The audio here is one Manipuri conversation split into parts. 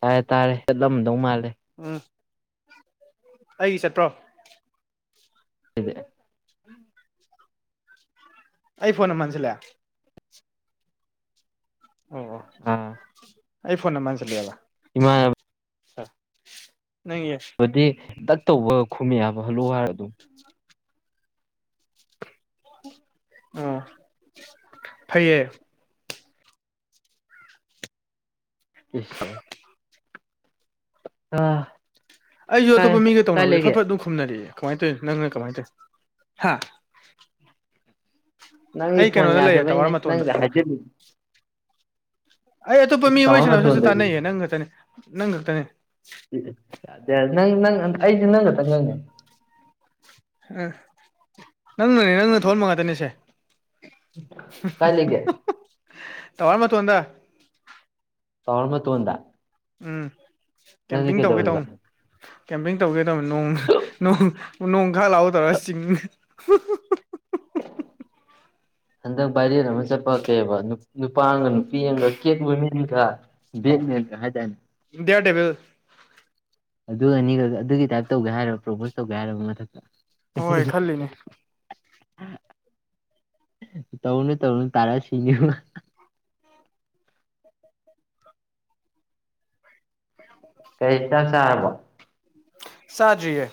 ꯇꯥꯔꯦ ꯇꯥꯔꯦ ꯆꯠꯂꯝꯃꯗꯧ ꯃꯥꯜꯂꯦ ꯎꯝ ꯑꯩ ꯆꯠꯄ꯭ꯔꯣ [unintelligible] ꯑꯩ ꯐꯣꯟꯅ ꯃꯥꯟꯖꯤꯜꯂ‌ꯦ ꯑꯣ ꯑꯥ ꯑꯩ ꯐꯣꯟ ꯅ ꯃꯟꯁꯤꯂꯑ‌ꯦꯕ ꯏꯃꯥꯟꯅ [unintelligible] ꯅꯪꯒꯤ ꯕꯗꯤ ꯗꯛ ꯇꯧꯕꯒ ꯈꯨꯝꯃ‌ꯦ ꯍꯥꯕ ꯍꯜꯂ‌ꯣ ꯍꯥꯏꯔ ꯑꯗꯨꯝ ꯑꯣ ꯐꯩꯌꯦ [unintelligible] ꯑꯥ ꯑꯩꯁꯨ ꯀꯥꯏ ꯑꯇꯣꯞꯄ ꯃꯤꯒ ꯀꯥꯏ ꯇꯧꯅꯕꯗꯤ ꯂꯩꯒꯦ ꯐꯠ ꯐꯠ ꯑꯗꯨꯝ ꯈꯨꯝꯅꯔꯛꯑꯦ ꯀꯃꯥꯏꯟ ꯇꯧꯋꯤꯅ‌ꯣ ꯅꯪꯅ ꯀꯃꯥꯏꯅ ꯇꯧꯋꯤꯅ‌ꯣ ꯍꯥ ꯅꯪꯒꯤ ꯑꯩ ꯐꯣꯟ ꯀꯩꯅꯣꯗ ꯂꯩꯌꯦ ꯇꯋꯥꯔ ꯌꯥꯗꯕꯩꯅꯦ ꯃꯇꯣꯟꯗ ꯅꯪꯗ ꯍꯥꯏꯖꯤꯜ ꯑꯩ ꯑꯇꯣꯞꯄ ꯃꯤ ꯋꯥꯔꯤ ꯇꯥꯋꯔ ꯁꯥꯟꯅꯕꯁꯨꯁꯨ ꯃꯇꯣꯟꯗꯗꯤ ꯇꯥꯟꯅꯩꯌꯦ ꯅꯪ ꯈꯛꯇꯅꯦ ꯅꯪ ꯈꯛꯇ [unintelligible] ꯅꯪ ꯅꯪ ꯑꯩꯗꯤ ꯅꯪ ꯈꯛꯇꯅꯦ ꯑ ꯅꯪꯅꯅꯦ ꯅꯪꯅ ꯊꯣꯛꯍꯟꯕ ꯉꯥꯛꯇꯅꯦꯁꯦ ꯀꯥꯏ ꯂꯩꯒꯦ ꯇꯋꯥꯔ ꯃꯇ‌ꯣꯟꯗ ꯇꯋꯥꯔ ꯃꯇ‌ꯣꯟꯗ ꯎꯝ ꯀꯦꯝꯄꯤꯡ ꯇꯧꯒꯦ ꯀꯩꯗꯧꯔꯤꯕ ꯇꯧꯟ ꯀꯦꯝꯄꯤꯡ ꯇꯧꯒꯦ ꯇꯧꯅ‌ꯦ ꯅꯣꯡꯅ ꯅ‌ꯣꯡ ꯅ‌ꯣꯡ ꯈꯔ ꯂꯥꯛꯍꯧ [unintelligible] ꯒ ꯆꯤꯡꯒ‌ꯦ [unintelligible] ꯍꯟꯗꯛ ꯚꯥꯏꯔꯦꯟ ꯑꯃ ꯆꯠꯄ ꯀꯩꯕꯥ ꯅꯨ ꯅꯨꯄꯥ ꯑꯝꯒ ꯅꯨꯄꯤ ꯑꯝꯒ ꯀꯦꯠ ꯋꯨꯃꯤꯟ ꯀ ꯕ‌ꯦꯠꯃ‌ꯦꯟꯒ ꯍꯥꯏꯗꯥꯏꯟ [unintelligible] ꯑꯗꯨ ꯑꯅꯤꯒ ꯑꯗꯨꯒꯤ ꯇꯥꯏꯞ ꯇꯧꯒꯦ ꯍꯥꯏꯔꯕ ꯄ꯭ꯔꯣꯄꯣꯁ ꯇꯧꯒꯦ ꯍꯥꯏꯔꯕ ꯃꯊꯛꯇ ꯍꯣꯏ ꯈꯜꯂꯤꯅꯦ ꯇꯧꯅꯨ ꯇꯧꯅꯨ ꯇꯥꯔ ꯁꯤꯅꯤ ꯀꯩ ꯏꯟꯁꯥꯡ ꯆꯥꯔꯕ‌ꯣ ꯆꯥꯗ꯭ꯔꯤꯌꯦ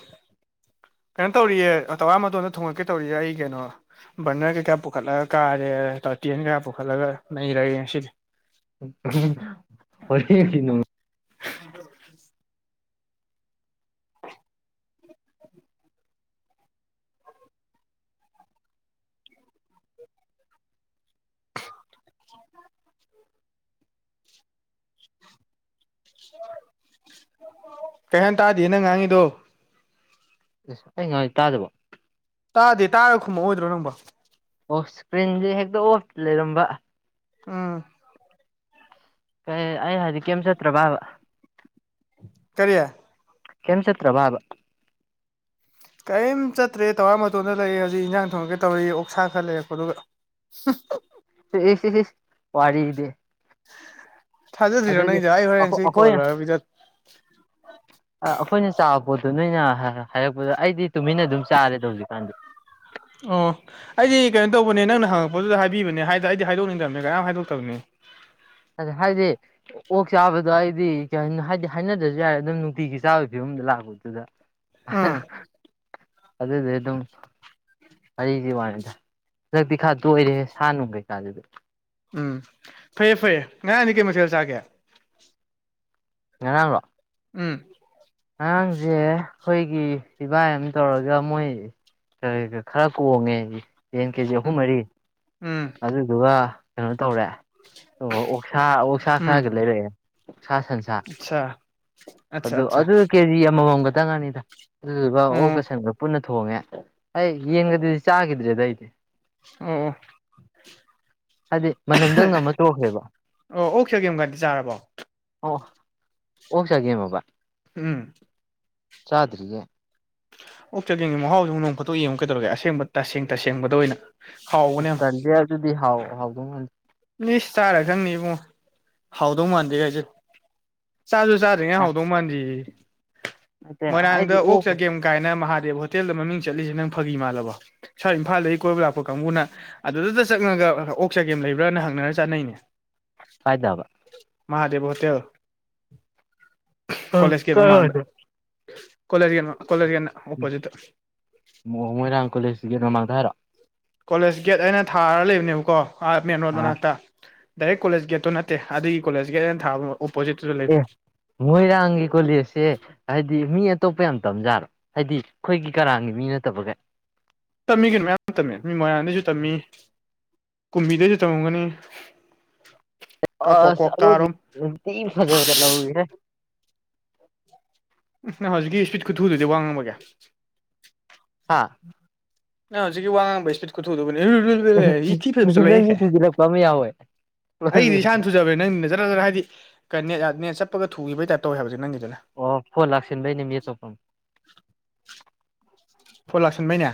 ꯀꯩꯅꯣ ꯇꯧꯔꯤꯌꯦ ꯇꯋꯥꯔ ꯃꯇꯣꯟꯗ ꯊꯣꯡꯉꯛꯀꯦ ꯇꯧꯔꯤꯌꯦ ꯑꯩ ꯀꯩꯅꯣ ꯕꯔꯅꯔ ꯀꯩꯀꯥ ꯄꯨꯈꯠꯂꯒ ꯀꯥꯔꯦ ꯇꯔꯇꯦꯟꯒ ꯄꯨꯈꯠꯂꯒ ꯅꯩꯔꯒꯦ ꯉꯁꯤꯗꯤ [unintelligible] [unintelligible] ꯀꯩꯍꯥꯏꯅ‌ꯣ ꯇꯥꯗꯤꯌ‌ꯦ ꯅꯪ ꯉꯥꯡꯉꯤꯗꯣ ꯏꯁ ꯑꯩ ꯉꯥꯡꯉꯤ ꯇꯥꯗꯕꯣ ꯇꯥꯗꯦ ꯇꯥꯔ ꯈꯨꯝꯃꯛꯑꯣꯏꯗ꯭ꯔꯣ ꯅꯪꯕ‌ꯣ ꯑꯣ ꯏꯁꯀ꯭ꯔꯤꯟꯁꯦ ꯍꯦꯛꯇ ꯑꯣꯐ ꯂꯩꯔꯝꯕ ꯎꯝ ꯀꯩ ꯑꯩꯅ ꯍꯥꯏꯗꯤ ꯀꯩꯝ ꯆꯠꯇ꯭ꯔꯕꯕ ꯀꯔꯤ ꯀꯩꯝ ꯆꯠꯇ꯭ꯔꯕ ꯍꯥꯏꯕ ꯀꯩꯝ ꯆꯠꯇ꯭ꯔꯦ ꯇꯋꯥꯔ ꯃꯇꯣꯟꯗ ꯂꯩꯌ‌ꯦ ꯍꯧꯖꯤꯛ ꯏꯟꯖꯥꯡ ꯊꯣꯡꯉꯒ‌ꯦ ꯇꯧꯔꯤ ꯑꯣꯛꯁꯥ ꯈꯔ ꯂꯩꯔꯛꯄ ꯗꯨꯒ [unintelligible] ꯏ ꯏꯁ ꯏꯁ ꯋꯥꯔꯤꯗ‌ꯦ ꯊꯥꯖꯗ꯭ꯔꯤꯔꯣ ꯅꯪꯒꯁ‌ꯦ ꯑꯩ ꯑꯈꯣ ꯍꯣꯔꯦꯟꯁꯤ ꯀꯣꯜ ꯑꯈꯣꯏꯅ ꯂ‌ꯣꯏꯔ ꯚꯤꯗꯤꯌ‌ꯣ ꯑ ꯑꯩꯈꯣꯏꯅ ꯆꯥꯕ ꯄꯣꯠꯇꯣ ꯅꯣꯏꯅ ꯍ ꯍꯥꯏꯔꯛꯄꯗ ꯑꯩꯗꯤ ꯇꯨꯃꯤꯟꯅ ꯑꯗꯨꯝ ꯆꯥꯔꯦꯗ ꯍꯧꯖꯤꯛꯀꯥꯟꯗꯤ ꯑꯣ ꯑꯩꯗꯤ ꯀꯩꯅꯣ ꯇꯧꯕꯅꯦ ꯅꯪꯅ ꯍꯪꯉꯛꯄꯗꯨꯗ ꯍꯥꯏꯕꯤꯕꯅꯦ ꯍꯥꯏꯗ ꯑꯩꯗꯣ ꯍꯥꯏꯗꯣꯛꯅꯤꯡꯗꯕꯅꯦ ꯀꯅꯥꯝ ꯍꯥꯏꯗꯣꯛꯇꯕꯅꯦ ꯑꯗ ꯍꯥꯏꯗꯤ ꯑꯣꯛ ꯆꯥꯕꯗꯣ ꯑꯩꯗꯤ ꯍꯥꯏꯗꯤ ꯍꯥꯏꯅꯗ꯭ꯔꯁꯨ ꯌꯥꯔꯦ ꯑꯗꯨꯝ ꯅꯨꯡꯇꯤꯒꯤ ꯆꯥꯕꯒꯤ ꯐꯤꯕꯝꯗ ꯂꯥꯛꯄꯗꯨꯗ ꯎꯝ ꯑꯗꯨꯗꯦ ꯑꯗꯨꯝ ꯋꯥꯔꯤꯒꯤ ꯋꯥꯅꯤꯗ ꯍꯟꯗꯛꯇꯤ ꯈꯥ ꯇꯣꯏꯔꯦ ꯁꯥ ꯅꯨꯡ ꯀꯩꯀꯥꯗꯨꯗꯤ ꯎꯝ ꯐꯩꯌꯦ ꯐꯩꯌꯦ ꯉꯔꯥꯡꯗꯤ ꯀꯩ ꯃꯊꯦꯜ ꯆꯥꯒꯦ ꯉꯔꯥꯡꯂꯣ ꯎꯝ ꯉꯔꯥꯡꯖꯦ ꯑꯩꯈꯣꯏꯒꯤ ꯏꯕꯥꯏ ꯑꯃ ꯇꯧꯔꯒ ꯃꯣꯏ ꯀꯩ ꯈꯔ ꯀꯣꯡꯉꯦ ꯌꯦꯟ ꯀꯦꯖꯤ ꯑꯍꯨꯝ ꯃꯔꯤ ꯎꯝ ꯑꯗꯨꯗꯨꯒ ꯀꯩꯅꯣ ꯇꯧꯔꯦ ꯑꯣ ꯑꯣꯛꯁꯥ ꯑꯣꯛꯁꯥ ꯎꯝ ꯈꯔꯒ ꯂꯩꯔꯛꯑꯦ ꯑꯣꯛꯁꯥ ꯁꯟꯁꯥ ꯑꯠꯁꯥ ꯑꯠꯆꯥ ꯑꯗꯨ ꯑꯠꯆꯥ ꯑꯗꯨ ꯀꯦꯖꯤ ꯑꯃꯃꯝ ꯇꯪꯅꯤꯗ ꯑꯗꯨꯗꯨꯒ ꯑꯣ ꯑꯣꯛꯀ ꯁꯟꯒ ꯄꯨꯟꯅ ꯊꯣꯡꯉꯦ ꯑꯩ ꯌꯦꯟꯒꯗꯨꯗꯤ ꯆꯥꯈꯤꯗ꯭ꯔꯦꯗ ꯑꯩꯗꯤ ꯑꯣ ꯑꯣ ꯍꯥꯏꯗꯤ ꯃꯅꯝꯗꯪ ꯅꯝꯃꯒ ꯇꯣꯛꯈ꯭ꯔꯦꯕ ꯑꯣ ꯑꯣꯛ ꯆꯒꯦꯝꯒꯗꯤ ꯆꯥꯔꯕꯣ ꯑꯣ ꯑꯣꯛ ꯆꯒꯦꯝꯑꯥꯕ ꯎꯝ ꯆꯥꯗꯔꯤꯌꯦ ꯑꯣꯛ ꯆꯒꯦꯝꯒꯤ ꯃꯍꯥꯎꯁꯨ ꯅꯣꯡ ꯐꯥꯗꯣꯛ ꯌꯦꯡꯉꯨ ꯀꯩꯗꯧꯔꯒꯦ ꯑꯁꯦꯡꯕ ꯇꯁꯦꯡ ꯇꯁꯦꯡꯕꯗ ꯑꯣꯏꯅ ꯍꯥꯎꯕꯅꯦ ꯑꯁ ꯌꯥꯝ ꯇꯜꯂꯤ ꯑꯗꯨꯗꯤ ꯍꯥꯥꯎ ꯍꯥꯎꯗꯧ ꯃꯥꯟꯗꯦ ꯏꯁ ꯆꯥꯔ ꯈꯪꯅꯤ ꯏꯕꯨꯡꯉꯣ ꯍꯥꯎꯗꯧ ꯃꯥꯟꯗꯦ ꯀꯥꯏ ꯍꯥꯏꯖꯜꯂꯦ ꯆꯥꯖꯨ ꯆꯥ [unintelligible] ꯍꯥꯎꯗꯧ ꯃꯥꯟꯗꯦꯌꯦ ꯅꯠꯇꯦ ꯃꯣꯏꯔꯥꯡꯗ ꯑꯩꯗꯤ ꯑꯣꯛ ꯆꯒꯦꯝ ꯀꯥꯏꯅ ꯃꯍꯥꯗꯦꯕ ꯍꯣꯇꯦꯜꯗ ꯃꯃꯤꯡ ꯆꯠꯂꯤꯁꯦ ꯅꯪ ꯐꯥꯒꯤ ꯃꯥꯜꯂꯕꯣ ꯁ꯭ꯋꯥꯏ ꯏꯝꯐꯥꯜꯗꯒꯤ ꯀꯣꯏꯕ ꯂꯥꯛꯄ ꯀꯥꯡꯕꯨꯅ ꯑꯗꯨꯗꯗ ꯆꯪꯉꯒ ꯑꯣꯛ ꯆꯒꯦꯝ ꯂꯩꯕ ꯈꯔꯅ ꯍꯪꯅꯔ ꯆꯠꯅꯩꯅꯦ ꯀꯥꯏꯗꯕ ꯃꯍꯥꯗꯦꯕ ꯍꯣꯇꯦꯜ ꯎꯝ ꯀꯣꯂꯦꯖ ꯒꯦꯠ ꯃꯃꯥꯡꯗ ꯀꯥꯏꯋꯥꯏꯗ ꯀꯣꯂꯦꯖ ꯒꯦꯠ ꯀꯣꯂꯦꯖ ꯒꯦꯠ ꯑꯣꯄꯣꯖꯤꯠꯇ ꯑꯣ ꯃꯣꯏꯔꯥꯡ ꯀꯣꯂꯦꯖꯒꯤ ꯒꯦꯠ ꯃꯃꯥꯡꯗ ꯍꯥꯏꯔꯣ ꯀꯣꯂꯦꯖ ꯒꯦꯠ ꯍꯥꯢꯅ ꯊꯥꯔꯒ ꯂꯩꯕꯅꯦꯕꯀꯣ ꯃꯦꯟ ꯔꯣꯗ ꯑꯥ ꯃꯅꯥꯛꯇ ꯗꯥꯏꯔꯦꯛ ꯀꯣꯂꯦꯖ ꯒꯦꯠꯇꯨ ꯅꯠꯇꯦ ꯑꯗꯨꯒꯤ ꯀꯣꯂꯦꯖ ꯒꯦꯠ ꯑꯅ ꯊꯥꯕ ꯑꯣꯄꯣꯖꯤꯠꯇꯨ ꯑꯦ ꯂꯩꯕꯅꯤ ꯃꯣꯏꯔꯥꯡꯒꯤ ꯀꯣꯂꯦꯖꯁꯦ ꯍꯥꯏꯗꯤ ꯃꯤ ꯑꯇꯣꯞꯄ ꯌꯥꯝ ꯇꯝꯖꯥꯔꯣ ꯍꯥꯏꯗꯤ ꯑꯩꯈꯣꯏꯒꯤ ꯀꯔꯥꯡꯒꯤ ꯃꯤ ꯅꯠꯇꯕꯒꯩ ꯇꯝꯃꯤ ꯀꯩꯅꯣ ꯃꯌꯥꯝ ꯇꯝꯃꯦ ꯃꯤ ꯃꯣꯏꯔꯥꯡꯗꯩꯁꯨ ꯇꯝꯃꯤ ꯀꯨꯝꯕꯤꯗꯩꯖꯨ ꯇꯝꯃꯝꯒꯅꯤ ꯀ ꯀ꯭ꯋꯥꯛ ꯑꯁ ꯀ꯭ꯋꯥꯛ ꯑꯔꯣꯏꯕꯤ ꯀꯥꯔꯣꯝ ꯌꯥꯝ ꯊꯤ ꯐꯖꯕ ꯆꯠꯂꯧꯋꯤ ꯍꯦ ꯎꯝ ꯅꯪ ꯍꯧꯖꯤꯛꯀꯤ ꯏꯁꯄꯤꯠ ꯈꯨꯊꯨꯗꯨꯗꯤ ꯋꯥꯡ ꯉꯥꯡꯕꯒꯤ ꯍꯥꯥ ꯅꯪ ꯍꯧꯖꯤꯛꯀꯤ ꯋꯥ ꯉꯥꯡꯕꯩ ꯏꯁꯄꯤꯠ ꯈꯨꯊꯨꯗꯨꯕꯨꯅꯤ [unintelligible] ꯊꯤꯅ ꯐꯖꯕ ꯅꯪꯒꯤ ꯆꯠꯂꯧꯋꯤꯍꯦ ꯊꯤꯖꯤꯜꯂꯛꯄ ꯑꯃ ꯌꯥꯎꯋꯦ ꯑꯩꯗꯤ ꯏꯁꯥꯅ ꯊꯨ ꯖꯕꯅꯦ ꯅꯪꯅ ꯖꯔ ꯖꯔ ꯍꯥꯏꯗꯤ ꯅꯦꯠ ꯅꯦꯠ ꯆꯠꯄꯒ ꯊꯨꯈꯤꯕꯒꯤ ꯇꯥꯏꯞ ꯇꯧꯋꯤ ꯍꯥꯏꯕ ꯅꯪꯒꯤꯗꯨꯅ ꯑꯣ ꯐꯣꯟ ꯂꯥꯛꯁꯤꯟꯕꯩꯅꯦ ꯃꯤ ꯑꯇꯣꯞꯄ ꯑꯃ ꯐꯣꯟ ꯂꯥꯛꯁꯤꯟꯕꯩꯅꯦ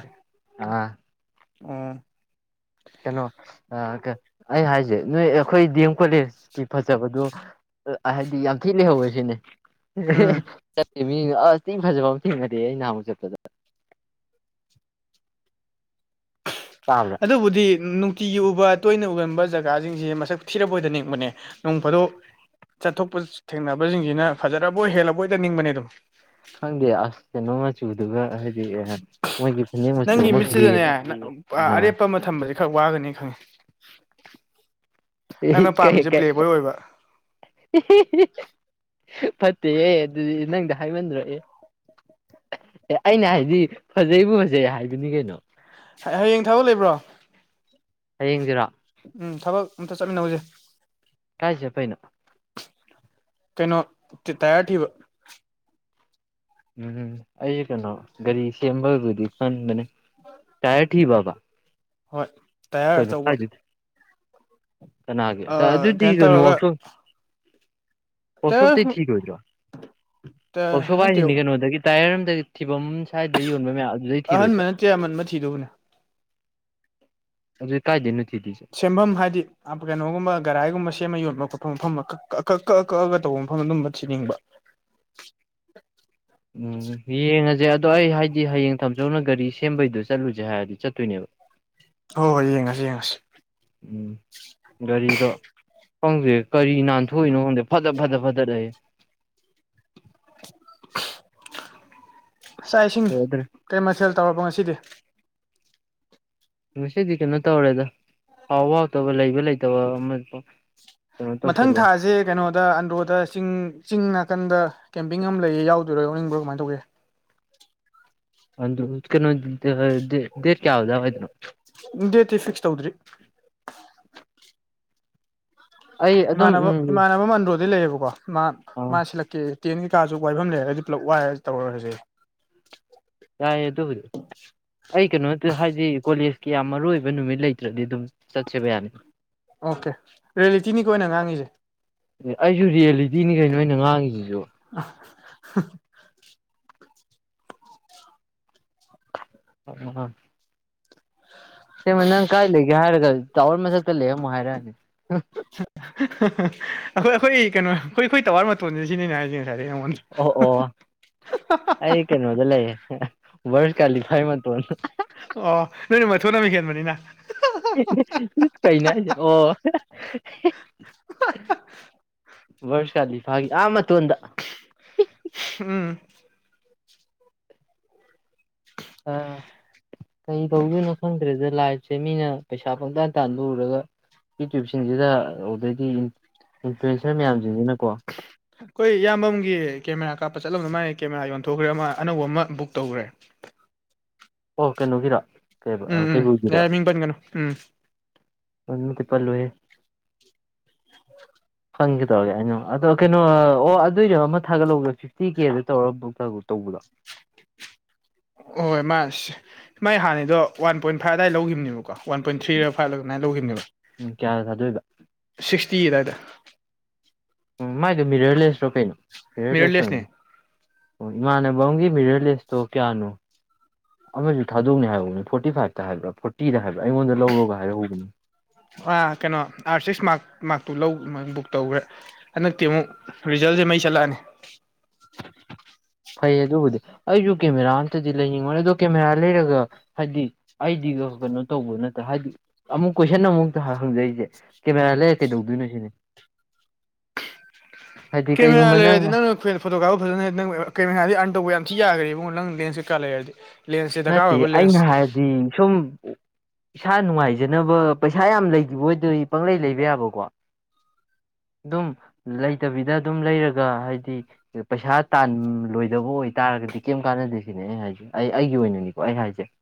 ꯑꯥ ꯑꯣ ꯀꯩꯅꯣ ꯑꯥ ꯑꯩ ꯍꯥꯏꯖꯦ ꯅꯣꯏ ꯑꯩꯈꯣꯏ ꯗꯤ ꯑꯦꯝ ꯀꯣꯂꯦꯖꯀꯤ ꯐꯖꯕꯗꯨ ꯍꯥꯏꯗꯤ ꯌꯥꯝ ꯊꯤ ꯂꯩꯍꯧꯋꯦ ꯁꯤꯅꯤ ꯎꯝ ꯆꯠꯂꯤ ꯃꯤ ꯑꯁ ꯊꯤꯅ ꯐꯖꯕ ꯑꯃ ꯊꯦꯡꯅꯔꯛꯑꯦ ꯑꯩ ꯅꯍꯥꯟꯃꯨꯛ ꯆꯠꯄꯗ ꯇꯥꯕ꯭ꯔꯥ ꯑꯗꯨꯕꯨꯗꯤ ꯅꯨꯡ ꯇꯤꯒꯤ ꯎꯕ ꯇꯣꯏꯅ ꯎꯒꯟꯕ ꯖꯒꯥꯖꯤꯡꯁꯦ ꯃꯁꯛ ꯊꯤꯔꯥꯕꯣꯏꯗ ꯅꯤꯡꯕꯅꯦ ꯅꯣꯡ ꯐꯗꯣꯛ ꯆꯠꯊꯣꯛꯄ ꯊꯦꯡꯅꯕꯖꯤꯡꯖꯤꯅ ꯐꯖꯔꯕꯣꯏ ꯍꯦꯜꯂꯕꯣꯏꯗ ꯅꯤꯡꯕꯅꯦ ꯑꯗꯨꯝ ꯈꯪꯗꯦ ꯑꯁ ꯀꯩꯅꯣ ꯃꯆꯨꯗꯨꯒ ꯍꯥꯏꯗꯤ ꯑꯥ ꯅꯪꯒꯤ ꯃꯤꯠꯁꯤꯗꯅꯦ ꯑꯥ ꯑꯔꯦꯞꯄ ꯑꯃ ꯊꯝꯕꯖꯦ ꯈꯔ ꯋꯥꯒꯅꯤ ꯈꯪꯉꯦ ꯅꯪꯅ ꯀꯩ ꯄꯥꯝꯃꯤꯁꯦ ꯀꯩ ꯄ꯭ꯂꯦꯕꯣꯏ ꯑꯣꯏꯕ [unintelligible] ꯐꯠꯇꯦꯍꯦ ꯑꯗꯨꯗꯤ ꯅꯪꯗꯣ ꯍꯥꯏꯃꯟꯗ꯭ꯔꯣ ꯑꯦ ꯑꯦ ꯑꯩꯅ ꯍꯥꯏꯗꯤ ꯐꯖꯩꯕꯨ ꯐꯖꯩ ꯍꯥꯏꯕꯅꯤ ꯀꯩꯅꯣ ꯍꯌꯦꯡ ꯊꯥꯕꯛ ꯂꯩꯕ꯭ꯔꯣ ꯍꯌꯦꯡꯖꯤꯔꯣ ꯎꯝ ꯊꯕꯛ ꯑꯝꯇ ꯆꯠꯃꯤꯟꯅꯧꯖꯦ ꯀꯥꯏ ꯆꯠꯄꯩꯅꯣ ꯀꯩꯅꯣ ꯇꯥꯏꯌꯥꯔ ꯊꯤꯕ ꯎꯝ ꯑꯩ ꯀꯩꯅꯣ ꯒꯥꯔꯤ ꯁꯦꯝꯕꯕꯨꯗꯤ ꯈꯟꯕꯅꯦ ꯇꯥꯏꯌꯔ ꯊꯤꯕꯕ ꯍꯣꯏ ꯇꯥꯏꯌꯥꯔ ꯀꯩꯅꯣ ꯑꯆꯧꯕ ꯀꯥꯏꯗꯩ ꯀꯅꯥꯒꯤ ꯀꯥ ꯑꯗꯨꯗꯤ ꯀꯩꯅꯣ [unintelligible] ꯇꯧꯔꯒ ꯋꯥꯛꯁꯣꯞꯇꯩ ꯇꯥꯌꯔ ꯊꯤꯔꯣꯏꯗ꯭ꯔꯣ ꯋꯥꯛꯁꯣꯞ ꯅꯠꯇꯦ ꯍꯥꯏꯖꯤꯅꯤ ꯀꯩꯅꯣꯗꯒꯤ ꯇꯥꯏꯌꯔ ꯑꯃꯗꯒꯤ ꯐꯤꯕꯝ ꯁ꯭ꯋꯥꯏꯗ ꯌꯣꯟꯕ ꯃꯌꯥꯝ ꯑꯗꯨꯗꯩ ꯑꯍꯟꯕ ꯊꯤꯔꯣꯏꯗ꯭ꯔꯣ ꯅꯠꯇ꯭ꯔꯦ ꯑꯃꯟꯕ ꯊꯤꯗꯧꯕꯅꯦ ꯑꯗꯨ ꯀꯥꯏꯗꯩꯅꯣ ꯊꯤꯗꯣꯏꯁꯦ ꯁꯦꯝꯕꯝ ꯍꯥꯏꯗꯤ ꯑꯥ ꯀꯩꯅꯣꯒꯨꯝꯕ ꯒꯔꯥꯏꯒꯨꯝꯕ ꯁꯦꯝꯃ ꯌꯣꯟꯕ ꯈꯣꯠꯄ ꯃꯐꯝ ꯀꯛ ꯀꯛꯑ ꯀꯛꯑꯒ ꯇꯧꯕ ꯃꯐꯝ ꯑꯗꯨꯝꯕ ꯊꯤꯅꯤꯡꯕ ꯎꯝ ꯌꯦꯡꯉꯖꯦ ꯑꯗꯣ ꯑꯩ ꯍꯥꯏꯗꯤ ꯍꯌꯦꯡ ꯇꯥꯃꯣꯆꯧꯅ ꯒꯥꯔꯤ ꯁꯦꯝꯕꯩꯗꯨꯣ ꯆꯠꯂꯨꯖꯦ ꯍꯥꯏꯔꯗꯤ ꯆꯠꯇꯣꯏꯅꯦꯕ ꯍꯣꯏ ꯍꯣꯏ ꯌꯦꯡꯉꯁꯤ ꯌꯦꯡꯉꯁꯤ ꯎꯝ ꯒꯥꯔꯤꯗꯣ ꯈꯪꯗꯦ ꯀꯔꯤ ꯅꯥꯟꯊꯣꯛꯏꯅꯣ ꯈꯪꯗꯦ ꯐꯗꯠ ꯐꯗꯠ ꯐꯗꯠ ꯑꯌꯦ ꯆꯥꯥꯛ ꯏꯁꯤꯡ ꯌꯥꯗ꯭ꯔꯦ ꯀꯩ ꯃꯊꯦꯜ ꯇꯧꯔꯕ ꯉꯁꯤꯗꯤ ꯉꯁꯤꯗꯤ ꯀꯩꯅꯣ ꯇꯧꯔꯦꯗ ꯍꯥꯎ ꯍꯥꯎꯇꯕ ꯂꯩꯕ ꯂꯩꯇꯕ ꯑꯃ ꯀꯩꯅꯣ ꯃꯊꯪ ꯇꯧꯁꯜꯂꯦ ꯊꯥꯁꯦ ꯀꯩꯅꯣ ꯗ ꯑꯟꯗ꯭ꯔꯣꯗ ꯆꯤꯡ ꯆꯤꯡ ꯅꯥꯀꯟꯗ ꯀꯦꯝꯄꯤꯡ ꯑꯝ ꯂꯩꯌꯦ ꯌꯥꯎꯗꯣꯏꯔꯣ ꯌꯥꯎꯅꯤꯡꯕ꯭ꯔꯣ ꯀꯃꯥꯏ ꯇꯧꯒꯦ ꯑꯟꯗ꯭ꯔꯣ ꯀꯩꯅꯣ ꯑꯥ ꯗꯦꯠ ꯗꯦꯠ ꯀꯌꯥ ꯑꯗꯋꯥꯏꯗꯅꯣ ꯗꯦꯠꯇꯤ ꯐꯤꯛꯁ ꯇꯧꯗ꯭ꯔꯤ ꯑꯩ ꯑꯗꯨꯝ ꯏꯃꯥꯟꯅꯕ ꯎꯝ ꯏꯃꯥꯟꯅꯕ ꯑꯃ ꯑꯟꯗ꯭ꯔꯣꯗꯩ ꯂꯩꯌꯦꯕꯀꯣ ꯃꯥ ꯃꯥ ꯑꯥ ꯁꯤꯜꯂꯛꯀꯦꯌꯦ ꯇꯦꯟ ꯀꯩꯀꯥꯖꯨ ꯋꯥꯏꯕꯝ ꯂꯩꯔꯒꯗꯤ ꯄꯨꯂꯞ ꯋꯥꯏꯔꯒ ꯇꯧꯔꯖꯦꯑꯦ ꯌꯥꯏꯌꯦ ꯑꯗꯨꯕꯨꯗꯤ ꯑꯩ ꯀꯩꯅꯣ ꯍꯥꯏꯗꯤ ꯀꯣꯂꯦꯖꯀꯤ ꯌꯥꯝ ꯃꯔꯨ ꯑꯣꯏꯕ ꯅꯨꯃꯤꯠ ꯂꯩꯇ꯭ꯔꯗꯤ ꯑꯗꯨꯝ ꯆꯠꯁꯦꯕ ꯌꯥꯅꯤ ꯑꯣꯀꯦ ꯔꯤꯌꯦꯂꯤꯇꯤꯅꯤ ꯀꯣ ꯑꯩꯅ ꯉꯥꯡꯉꯤꯖꯦ ꯑꯦ ꯑꯩꯖꯨ ꯔꯤꯌꯦꯂꯤꯇꯤꯅꯤ ꯀꯩꯅꯣ ꯑꯩꯅ ꯉꯥꯡꯉꯤꯖꯤꯖꯨ [unintelligible] [unintelligible] ꯁꯦꯡꯃ ꯅꯪ ꯀꯥꯏ ꯂꯩꯒꯦ ꯍꯥꯏꯔꯒ ꯇꯥꯋꯔ ꯃꯊꯛꯇ ꯂꯩꯔꯝꯃꯨ ꯍꯥꯏꯔꯛꯑꯅꯤ ꯑꯈꯣꯏ ꯑꯈꯣꯏ ꯀꯩꯅꯣ ꯑꯈꯣꯏ ꯑꯈꯣꯏ ꯇꯋꯥꯔ ꯃꯇꯣꯟꯖꯦ ꯁꯤꯅꯤꯅꯦ ꯍꯥꯏꯁꯦ ꯉꯁꯥꯏꯗꯩ ꯅꯉꯣꯟꯗ ꯑꯣ ꯑꯣ ꯑꯩ ꯀꯩꯅꯣꯗ ꯂꯩꯌꯦ ꯚꯔꯁ ꯀꯥꯂꯤꯐꯥꯏ ꯃꯇꯣꯟ ꯑꯣ ꯅꯣꯏꯅ ꯃꯊꯣꯟ ꯑꯃ ꯍꯦꯟꯕꯅꯤꯅ ꯀꯩꯅꯣ ꯍꯥꯏꯁꯦ ꯑꯣ ꯚꯔꯁ ꯀꯂꯤꯂꯤꯐꯒꯤ ꯑ ꯃꯇꯣꯟꯗ ꯎꯝ ꯑꯥ ꯀꯩ ꯇꯧꯗꯣꯏꯅꯣ ꯈꯪꯗ꯭ꯔꯦꯗ ꯂꯥꯏꯐꯁꯦ ꯃꯤꯅ ꯄꯩꯁꯥ ꯄꯪꯇꯥꯟ ꯇꯥꯟꯕ ꯎꯔꯒ ꯌꯨꯇ꯭ꯌꯨꯕꯁꯤꯡꯁꯤꯗ ꯑꯣꯗꯒꯤ ꯏꯟꯐ꯭ꯂꯨꯌꯦꯟꯁꯔ ꯃꯌꯥꯝꯖꯤꯡꯖꯤꯅꯀꯣ ꯑꯈꯣꯏ ꯏꯌꯥꯝꯕꯝꯒꯤ ꯀꯦꯃꯦꯔꯥ ꯀꯥꯞꯄ ꯆꯠꯂꯝꯗ ꯃꯥꯥꯏ ꯀꯦꯃꯦꯔꯥ ꯌꯣꯟꯊꯣꯛꯈ꯭ꯔꯦ ꯑꯃ ꯑꯅꯧꯕ ꯑꯃ ꯕꯨꯛ ꯇꯧꯈ꯭ꯔꯦ ꯑꯣ ꯀꯩꯅꯣꯒꯤꯔ ꯎꯝ ꯎꯝ ꯌꯥꯏ ꯃꯤꯡ ꯄꯟꯒꯅꯨ ꯎꯝ ꯑꯣꯏꯃꯛꯇꯤ ꯄꯜꯂꯣꯏꯌꯦ [inaudible] ꯈꯪꯒꯦ ꯇꯧꯔꯒꯦ ꯑꯩꯅ ꯑꯗꯣ ꯀꯩꯅꯣ ꯑꯣ ꯑꯗꯨꯏꯅꯦ ꯑꯃ ꯊꯥꯒꯠꯍꯧꯕꯁꯤ ꯁ꯭ꯇꯤ ꯀꯦꯗ ꯇꯧꯔ ꯕꯨꯛ ꯇꯕ ꯇꯧꯕꯗꯣ ꯑꯣꯍꯣꯏ ꯃꯥꯥꯏꯁ ꯃꯥ ꯍꯥꯟꯅꯩꯗꯣ ꯋꯥꯟ ꯄꯣꯏꯟ ꯐꯥꯏꯚ ꯑꯗꯥꯏ ꯂꯧꯒꯤꯕꯅꯦꯕꯀꯣ ꯋꯥꯟ ꯄꯣꯏꯟ ꯊ꯭ꯔꯤꯔ ꯐꯥꯏꯚꯂ ꯑꯗꯨꯅꯥꯏ ꯂꯧꯒꯤꯕꯅꯦꯕ ꯎꯝ ꯀꯌꯥꯗ ꯊꯥꯗꯣꯏꯕ ꯁꯤꯛꯁꯇꯤ ꯑꯗꯥꯏꯗ ꯎꯝ ꯃꯥꯏꯗꯣ ꯃꯤꯔꯔꯂꯦꯁꯔꯣ ꯀꯩꯅꯣ ꯃꯤꯔꯂꯦꯁ ꯃꯤꯔꯔꯂꯦꯁꯅꯦ ꯑꯣꯢꯔꯝꯒꯅꯤ ꯑꯣ ꯏꯃꯥꯟꯅꯕꯝꯒꯤ ꯃꯤꯔꯂꯦꯁꯇꯣ ꯀꯌꯥꯅꯣ ꯑꯃꯁꯨ ꯊꯥꯗꯣꯛꯅꯤ ꯍꯥꯏꯍꯧꯕꯅꯤ ꯐꯣꯔꯇꯤ ꯐꯥꯏꯚꯇ ꯍꯥꯏꯕ꯭ꯔꯥ ꯐꯣꯔꯇꯤꯗ ꯍꯥꯏꯕ꯭ꯔꯥ ꯑꯩꯉꯣꯟꯗ ꯂꯧꯔꯣꯒ ꯍꯥꯏꯍꯧꯕꯅꯤ ꯑ ꯀꯩꯅꯣ ꯑꯥꯔ ꯁꯤꯛꯁ ꯃꯥꯛ ꯃꯥꯛꯇꯨ ꯂꯩ ꯃ ꯕꯨꯛ ꯇꯧꯒ꯭ꯔꯦ ꯍꯟꯗꯛꯇꯤ ꯑꯃꯨꯛ ꯔꯤꯖꯜꯁꯦ ꯃꯩ ꯆꯠꯂꯛꯑꯅꯤ ꯐꯩ ꯑꯗꯨꯕꯨꯗꯤ ꯑꯩꯁꯨ ꯀꯦꯃꯦꯔꯥ ꯑꯝꯇꯗꯤ ꯂꯩꯅꯤꯡꯕꯅꯤ ꯑꯗꯣ ꯀꯦꯃꯦꯔꯥ ꯂꯩꯔꯒ ꯍꯥꯏꯗꯤ ꯑꯩꯗꯤꯒ ꯀꯩꯅꯣ ꯇꯧꯕ ꯅꯠꯇ ꯍꯥꯏꯗꯤ ꯑꯃꯨꯛ ꯀꯣꯏꯁꯟ ꯑꯃꯨꯛꯇ ꯍꯪ ꯍꯪꯖꯩꯁꯦ ꯀꯦꯃꯦꯔꯥ ꯂꯩꯔ ꯀꯩꯗꯧꯗꯣꯏꯅꯣ ꯁꯤꯅꯤ ꯍꯥꯏꯗꯤ ꯀꯦꯃꯦꯔ ꯀꯩꯒꯨꯝꯕ ꯂꯩꯔꯗꯤ ꯅꯪꯅ ꯐꯣꯇꯣ ꯀꯞꯄ ꯐꯖꯅ ꯍꯩꯔ ꯅꯪ ꯑꯣꯢꯔꯣ ꯀꯦꯃꯦꯔꯥꯗꯤ ꯑꯔꯟ ꯇꯧꯕ ꯌꯥꯝ ꯊꯤ ꯌꯥꯒ꯭ꯔꯦ ꯢꯕꯨꯡꯉꯣ ꯅꯪ ꯂꯦꯟꯁ ꯀꯩ ꯀꯥ ꯂꯩꯔꯗꯤ ꯂꯦꯟꯁꯁꯦ ꯗꯔꯀꯥꯔ ꯅꯠꯇꯦ ꯑꯣꯏꯕ ꯂꯦꯟꯁ ꯑꯩꯅ ꯍꯥꯏꯔꯗꯤ ꯁꯨꯝ ꯢꯁꯥ ꯅꯨꯡꯉꯥꯏꯖꯅꯕ ꯄꯩꯁꯥ ꯌꯥꯝ ꯂꯩꯒꯤꯕ ꯑꯣꯏꯗꯤ ꯄꯪꯂꯩ ꯂꯩꯕ ꯌꯥꯕꯀꯣ ꯑꯗꯨꯝ ꯂꯩꯇꯕꯤꯗ ꯑꯗꯨꯝ ꯂꯩꯔꯒ ꯍꯥꯏꯗꯤ ꯄꯩꯁꯥ ꯇꯥꯟꯂꯣꯏꯗꯕ ꯑꯣꯏꯇꯥꯥꯔꯒꯗꯤ ꯀꯩꯝ ꯀꯥꯟꯅꯗꯦ ꯁꯤꯅꯦ ꯑꯩ ꯍꯥꯏꯁꯦ ꯑꯩ ꯑꯩꯒꯤ ꯑꯣꯏꯅ ꯅꯤꯀꯣ ꯑꯩ ꯍꯥꯏꯁꯦ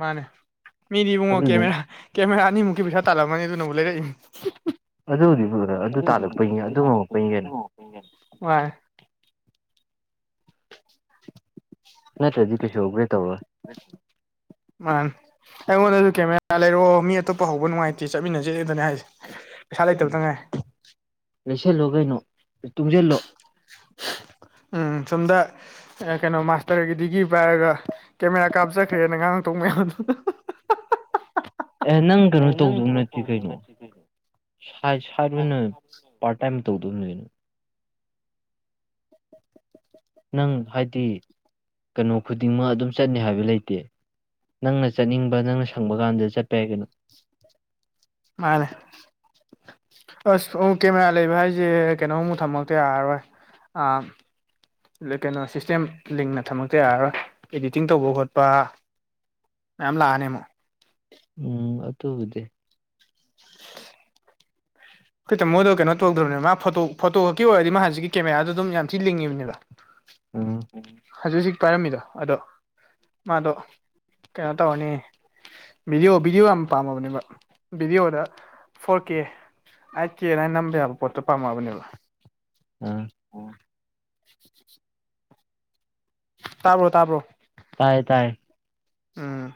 ꯃꯥꯅꯦ ꯃꯤꯗꯤ ꯏꯕꯨꯡꯉꯣ ꯑꯗꯨꯅꯦ ꯀꯦꯃꯦꯔꯥ ꯀꯦꯃꯦꯔꯥ ꯑꯅꯤꯃꯨꯛꯀꯤ ꯄꯩꯁꯥ ꯇꯥꯜꯂꯝꯃꯅꯤ ꯑꯗꯨꯅꯕꯨ ꯂꯩꯔꯛꯏꯅꯤ ꯑꯗꯨꯕꯨꯗꯤ ꯐꯒꯗꯕ ꯑꯗꯨ ꯇꯥꯜꯂꯛꯄꯩꯅꯤ ꯑꯗꯨ ꯉꯝꯃꯛꯄꯩꯅꯤ ꯀꯩꯅꯣ ꯃꯅꯦ ꯅꯠꯇ꯭ꯔꯗꯤ ꯀꯩꯁꯨ ꯑꯧꯒ꯭ꯔꯦ ꯇꯧꯔꯣꯢ ꯃꯥꯅꯦ ꯑꯩꯉꯣꯟꯗꯖꯨ ꯀꯦꯃꯦꯔꯥ ꯂꯩꯔꯛꯑꯣ ꯃꯤ ꯑꯇꯣꯞꯄ ꯍꯧꯕ ꯅꯨꯡꯉꯥꯏꯇꯦ ꯆꯠꯃꯤꯟꯅꯁꯦꯗꯅꯦ ꯍꯥꯏꯁꯦ ꯄꯩꯁꯥ ꯂꯩꯇꯕꯇꯪ ꯉꯥꯏꯔꯦ ꯂꯩꯁꯜꯂꯣ ꯀꯩꯅꯣ ꯇꯨꯡꯖꯤꯜꯂꯣ ꯎꯝ ꯁꯣꯝꯗ ꯑ ꯀꯩꯅꯣ ꯃꯥꯁꯇꯔꯒꯤ ꯗꯤꯒ꯭ꯔꯤ ꯄꯥꯏꯔꯒ ꯀꯦꯃꯦꯔꯥ ꯀꯥꯞ ꯆꯠꯈ꯭ꯔꯦꯅ ꯉꯥꯡꯂꯛꯇꯧ ꯃꯌꯥꯝꯗꯣ ꯑꯦ ꯅꯪ ꯀꯩꯅꯣ ꯇꯧꯗꯧ ꯅꯠꯇꯦ ꯀꯩꯅꯣ ꯁꯥꯏ ꯁꯥꯏꯠ ꯑꯣꯏꯅ ꯄꯥꯛ ꯇꯥꯢꯝ ꯇꯧꯗꯧꯅꯦ ꯀꯩꯅꯣ [inaudible] ꯅꯪ ꯍꯥꯏꯗꯤ ꯀꯩꯅꯣ ꯈꯨꯗꯤꯡꯃꯛ ꯑꯗꯨꯝ ꯆꯠꯅꯤ ꯍꯥꯏꯕ ꯂꯩꯇꯦ ꯅꯪꯅ ꯆꯠꯅꯤꯡꯕ ꯅꯪꯅ ꯁꯪꯕ ꯀꯥꯟꯗ ꯆꯠꯄ ꯌꯥꯏ ꯀꯩꯅꯣ [unintelligible] ꯑꯁ ꯑꯣ ꯀꯦꯃꯦꯔꯥ ꯂꯩꯕ ꯍꯥꯏꯁꯦ ꯀꯩꯅꯣꯝꯃꯨꯛ ꯊꯝꯃꯛꯇ ꯌꯥꯔꯔꯣꯏ [inaudible] ꯑ ꯀꯩꯅꯣ ꯁꯤꯁꯇꯦꯝ ꯂꯤꯡꯅ ꯊꯝꯃꯛꯇ ꯌꯥꯔꯔꯣꯏ ꯏꯗꯤꯠꯇꯤꯡ ꯇꯧꯕ ꯈꯣꯠꯄ ꯃꯌꯥꯝ ꯂꯛꯑꯅꯤ ꯑꯃꯨꯛ ꯎꯝ ꯑꯗꯨꯕꯨꯗꯤ ꯑꯈꯣꯢ ꯇꯃꯣꯗꯣ ꯀꯩꯅꯣ ꯇꯧꯗ꯭ꯔꯕꯅꯦ ꯃꯥ ꯐꯣꯇꯣ ꯐꯣꯇꯣ ꯈꯛ ꯑꯣꯏꯔꯗꯤ ꯃꯥ ꯍꯥꯟꯁꯤꯒꯤ ꯀꯦꯃꯦꯔꯥꯗꯣ ꯑꯗꯨꯝ ꯌꯥꯝ ꯊꯤ ꯂꯤꯡꯉꯤꯕꯅꯦꯕ ꯎꯝ ꯎ ꯍꯧꯖꯤꯛ ꯍꯧꯖꯤꯛ ꯄꯥꯏꯔꯝꯃꯤꯗꯣ ꯑꯗꯣ ꯃꯥꯗꯣ ꯀꯩꯅꯣ ꯇꯧꯔꯅꯤ ꯚꯤꯗꯤꯑꯣ ꯚꯤꯗꯤꯑꯣ ꯌꯥꯝ ꯄꯥꯝꯃꯕꯅꯦꯕ ꯚꯤꯗꯤꯑꯣꯗ ꯐꯣꯔ ꯀꯦ ꯑꯩꯢꯠ ꯀꯦꯅ ꯑꯗꯢ ꯅꯝꯕ ꯌꯥꯕ ꯄꯣꯠꯇꯣ ꯄꯥꯝꯃꯕꯅꯦꯕ ꯎꯝ [inaudible] ꯇꯥꯕ꯭ꯔꯣ ꯇꯥꯕ꯭ꯔꯣ ꯇꯥꯏꯌꯦ ꯇꯥꯏꯌꯦ ꯎꯝ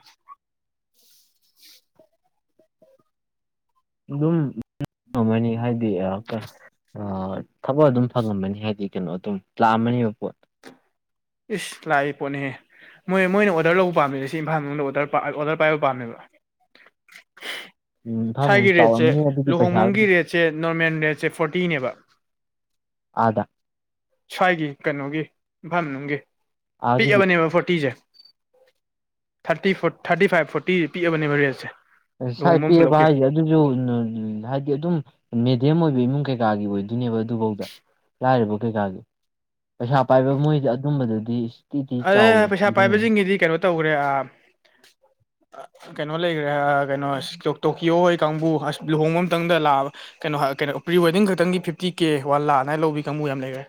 [unintelligible] ꯑ ꯊꯕꯛ ꯑꯗꯨꯝ ꯐꯪꯉꯝꯃꯅꯤ ꯍꯥꯏꯗꯤ ꯀꯩꯅꯣ ꯑꯗꯨꯝ ꯂꯥꯛꯑꯝꯃꯅꯦꯕ ꯄꯣꯠ ꯏꯁ ꯂꯥꯛꯏ ꯄꯣꯠꯅꯤꯍꯦ ꯃꯣꯏ ꯃꯣꯏꯅ ꯑꯣꯔꯗꯔ ꯂꯧꯕ ꯄꯥꯝꯃꯤꯁꯦ ꯁꯤ ꯏꯝꯐꯥꯜ ꯃꯅꯨꯡꯗ ꯑꯣꯔꯗꯔ ꯑꯣꯗꯔ ꯄꯥꯏꯕ ꯄꯥꯝꯃꯦꯕ ꯎꯝ ꯏꯝꯐꯥꯜ ꯃꯅꯨꯡ ꯁ꯭ꯋꯥꯏꯒꯤ ꯔꯦꯠꯁꯦ ꯆꯥꯎꯔꯝꯅꯤ ꯑꯗꯨꯒꯤ ꯄꯩꯁꯥꯒꯗꯤ ꯂꯨꯍꯣꯡꯐꯝꯒꯤ ꯔꯦꯠ ꯁꯦ ꯅꯣꯔꯃꯦꯟ ꯔꯦꯠꯁꯦ ꯐꯣꯔꯇꯤꯅꯦꯕ ꯑꯥꯗ ꯁ꯭ꯋꯥꯏꯒꯤ ꯀꯩꯅꯣꯒꯤ ꯏꯝꯐꯥꯜ ꯃꯅꯨꯡꯒꯤ ꯑꯥꯒꯤꯗꯤ ꯄꯤꯛꯑꯕꯅꯦꯕ ꯐꯣꯔꯇꯤꯁꯦ ꯊꯥꯔꯇꯤ ꯊꯥꯔꯇꯤ ꯐꯥꯏꯚ ꯐꯣꯔꯇꯤ ꯄꯤꯛꯑꯕꯅꯦꯕ ꯔꯦꯠꯁꯦ ꯁꯥꯏ ꯂꯨꯍꯣꯡꯕ ꯄꯤꯛꯑꯕ ꯄꯨꯂꯞꯀꯤ ꯍꯥꯏꯁꯦ ꯑ ꯑꯗꯨꯁꯨ ꯍꯥꯏꯗꯤ ꯑꯗꯨꯝ ꯃꯦꯗꯤꯌꯝ ꯑꯣꯏꯕ ꯏꯃꯨꯡ ꯀꯩꯀꯥꯒꯤ ꯑꯣꯏꯗꯣꯏꯅꯦꯕ ꯑꯗꯨꯐꯧꯗ ꯂꯥꯏꯔꯕ ꯀꯩꯀꯥꯒꯤ ꯄꯩꯁꯥ ꯄꯥꯏꯕ ꯃꯣꯏꯗꯤ ꯑꯗꯨꯝꯕꯗꯨꯗꯤ ꯑꯥ ꯄꯩꯁꯥ ꯄꯥꯏꯕꯁꯤꯡꯒꯤꯗꯤ ꯀꯩꯅꯣ ꯇꯧꯈ꯭ꯔꯦ ꯀꯩꯅꯣ ꯂꯩꯈ꯭ꯔꯦ ꯀꯩꯅꯣ ꯇꯣꯀꯤꯌꯣ ꯍꯣꯏ ꯀꯥꯡꯕꯨ ꯑꯁ ꯂꯨꯍꯣꯡꯕ ꯑꯃꯇꯪꯗ ꯂꯥꯛꯑꯕ ꯀꯩꯅꯣ ꯀꯩꯅꯣ ꯄ꯭ꯔꯤꯋꯦꯗꯤꯡ ꯈꯛꯇꯪꯒꯤ ꯐꯤꯞꯇꯤ ꯀꯦ ꯋꯥꯟ ꯂꯥꯛ ꯑꯗꯥꯏꯅꯥ ꯂꯧꯕꯤ ꯀꯥꯡꯕꯨ ꯌꯥꯝ ꯂꯩꯔꯦ